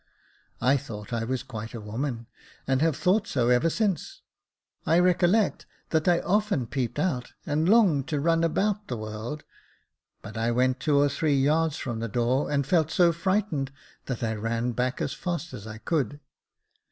I thought I was quite a woman, and have thought so ever since. I recollect that I often peeped out, and longed to run about the world ; but I went two or three yards from the door, and felt so frightened, that I ran back as fast as I could.